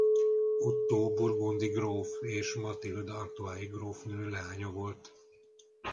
Ottó burgundi gróf és Matild artois-i grófnő leánya volt.